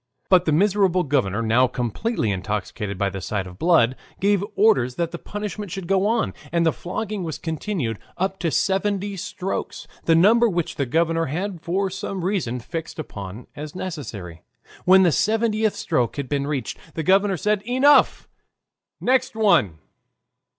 But the miserable governor, now completely intoxicated by the sight of blood, gave orders that the punishment should go on, and the flogging was continued up to seventy strokes, the number which the governor had for some reason fixed upon as necessary. When the seventieth stroke had been reached, the governor said "Enough! Next one!"